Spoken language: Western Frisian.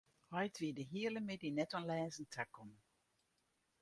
Heit wie de hiele middei net oan lêzen takommen.